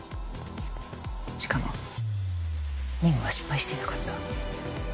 しかも任務は失敗していなかった。